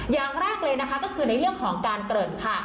อย่างแรกเลยนะคะก็คือในเรื่องของการเกริ่นค่ะ